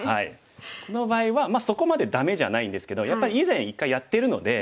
この場合はまあそこまでダメじゃないんですけどやっぱり以前１回やってるのでちょっとね